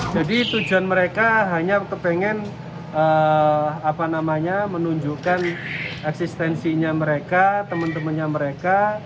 tujuan mereka hanya kepengen menunjukkan eksistensinya mereka teman temannya mereka